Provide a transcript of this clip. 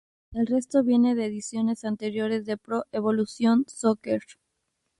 El resto viene de ediciones anteriores de Pro Evolution Soccer.